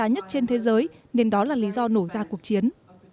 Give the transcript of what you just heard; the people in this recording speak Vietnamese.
nên đó là lý do nổ ra cuộc chiến